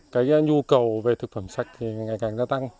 cái nhu cầu về thực phẩm sạch thì ngày càng gia tăng